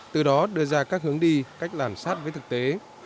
từ đó đưa ra các hướng đi cách làm sát với thực tế